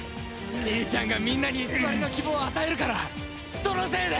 兄ちゃんがみんなに偽りの希望を与えるからそのせいで。